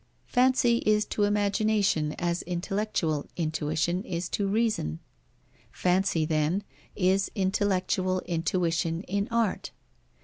Fancy is to imagination as intellectual intuition is to reason. Fancy, then, is intellectual intuition in art.